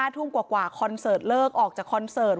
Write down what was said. ทุ่มกว่าคอนเสิร์ตเลิกออกจากคอนเสิร์ต